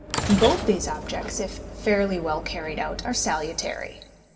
Both these objects, if fairly well carried out, are salutary.